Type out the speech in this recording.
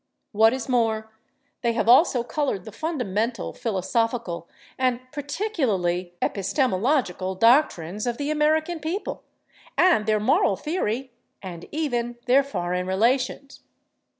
What is more, they have also colored the fundamental philosophical (and particularly epistemological) doctrines of the American people, and their moral theory, and even their foreign relations.